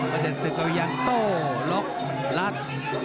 ประเด็นศึกวิญญาณโตรกรัฐ